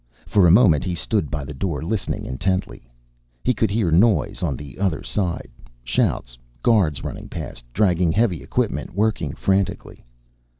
For a moment he stood by the door listening intently. He could hear noise on the other side, shouts, guards rushing past, dragging heavy equipment, working frantically.